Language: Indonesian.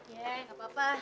ya enggak apa apa